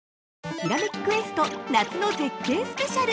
◆「ひらめきクエスト」夏の絶景スペシャル。